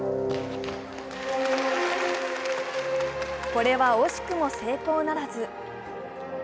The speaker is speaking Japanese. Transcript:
これは惜しくも成功ならず。